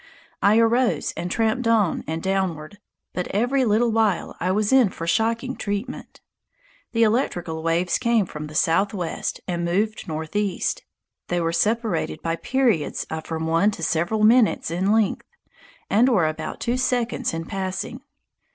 I arose and tramped on and downward, but every little while I was in for shocking treatment. The electrical waves came from the southwest and moved northeast. They were separated by periods of from one to several minutes in length, and were about two seconds in passing.